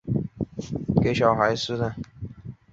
这个是给小孩吃的